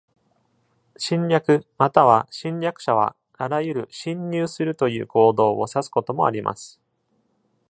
侵略または侵略者はあらゆる「侵入する」という行動を指すこともあります。